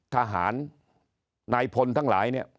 ทหารนายพลทั้งหลาย